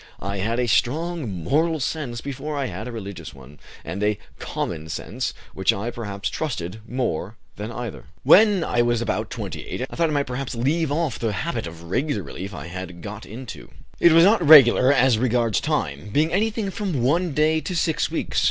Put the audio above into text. I had a strong moral sense before I had a religious one, and a 'common sense' which I perhaps trusted more than either. "When I was about 28 I thought I might perhaps leave off the habit of regular relief I had got into. (It was not regular as regards time, being anything from one day to six weeks.)